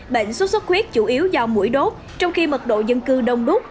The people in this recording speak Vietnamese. bệnh xuất xuất huyết chủ yếu do mũi đốt trong khi mật độ dân cư đông đút